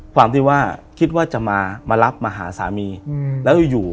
ความที่ว่าคิดว่าจะมามารับมาหาสามีแล้วอยู่